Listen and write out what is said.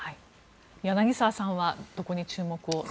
柳澤さんはどこに注目をされますか？